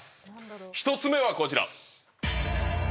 １つ目はこちら！